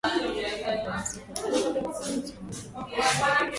na polisi kwa kukipendelea chama tawala cha